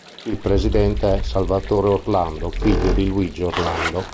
Il presidente è Salvatore Orlando figlio di Luigi Orlando.